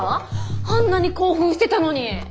あんなに興奮してたのに。